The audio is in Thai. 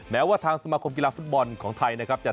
แม้ว่าทางสมาคมกีฬาฟุตบอลของเรือมภูมิใภทรัพย์ของไทย